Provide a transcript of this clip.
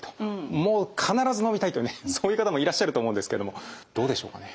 もう必ず飲みたいとねそういう方もいらっしゃると思うんですけどもどうでしょうかね？